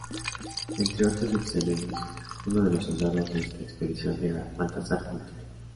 Entre otros extremeños, uno de los soldados de esta expedición era Baltasar Pinto.